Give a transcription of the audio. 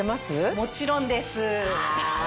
もちろんです。